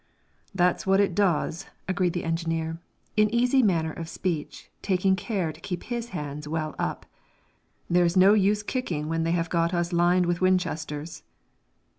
"That's what it does," agreed the engineer, in easy manner of speech, taking care to keep his hands well up. "There is no use kicking when they have got us lined with Winchesters."